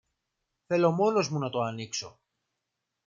Θέλω μόνος μου να το ανοίξω.